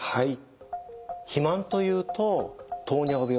はい。